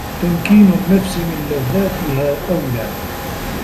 تَمْكِينُ النَّفْسِ مِنْ لَذَّاتِهَا أَوْلَى